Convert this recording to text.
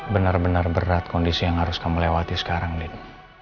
benar benar berat kondisi yang harus kamu lewati sekarang lin